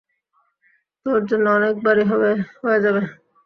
তোর জন্য অনেক ভাড়ি হয়ে যাবে।